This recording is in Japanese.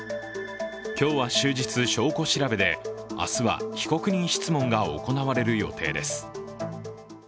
今日は終日、証拠調べで明日は被告人質問が行われる予定です。